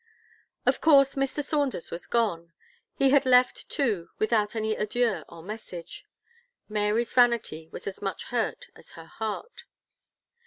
Of course, Mr. Saunders was gone he had left too without any adieu or message. Mary's vanity was as much hurt as her heart.